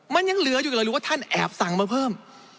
มันยังเหลืออยู่เลยรู้ว่าท่านแอบสั่งมาเพิ่ม